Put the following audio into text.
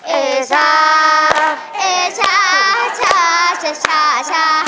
เอชาเอชาชาชชชช